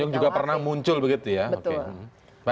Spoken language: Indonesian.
yang juga pernah muncul begitu ya